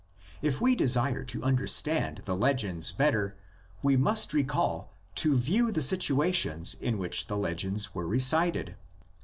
If we desire to under stand the legends better we must recall to view the situations in which the legends were recited.